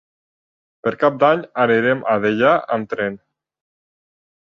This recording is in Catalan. Per Cap d'Any anirem a Deià amb tren.